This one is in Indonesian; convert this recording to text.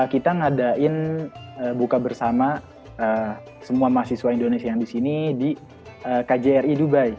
kita ngadain buka bersama semua mahasiswa indonesia yang di sini di kjri dubai